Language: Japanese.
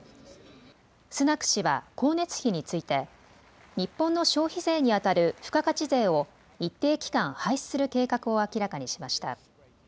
スナク氏は光熱費について日本の消費税にあたる付加価値税を一定期間、廃止する計画を明らかにしました。